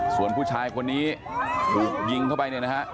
ส่วนผู้ชายคนนี้ถูกยิงเข้าไปเนี่ยนะฮะ